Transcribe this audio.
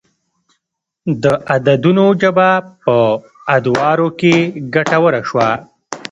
د عددونو ژبه په ادارو کې ګټوره شوه.